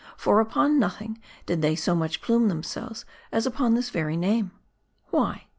For, upon nothing did they so much plume themselves as upon this very name. Why